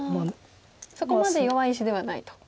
そこまで弱い石ではないと。